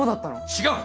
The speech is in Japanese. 違う！